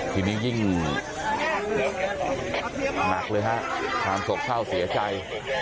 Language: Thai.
ทีนี้ยิ่งหนักเลยครับทางศพข้าวเสียใจ